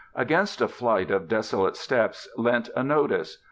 Against a flight of desolate steps leant a notice.